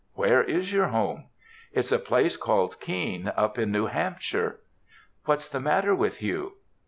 "Where is your home?" "It's a place called Keene, up in New Hampshire." "What's the matter with you?"